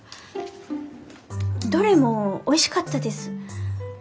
どれもおいしかったです。